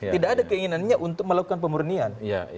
tidak ada keinginannya untuk melakukan pemurnian